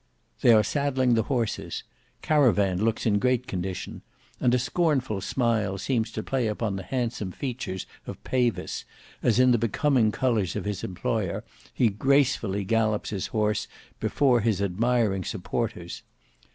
They are saddling the horses; Caravan looks in great condition; and a scornful smile seems to play upon the handsome features of Pavis, as in the becoming colours of his employer, he gracefully gallops his horse before his admiring supporters.